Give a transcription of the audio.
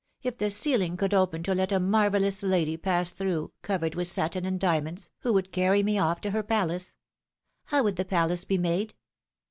If the ceiling could open to let a marvellous lady pass through, covered with satin and diamonds, who would carry me off to her palace ! How would the palace be made?